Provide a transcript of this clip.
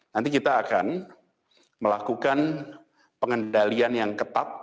nanti kita akan melakukan pengendalian yang ketat